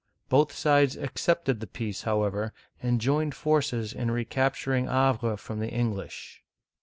" Both sides accepted the peace, however, and joined forces in recapturing Havre from the English.